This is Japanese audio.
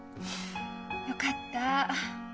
よかった。